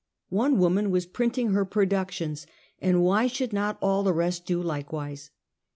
One woman was printing her productions, and why shonld not all the rest do likewise?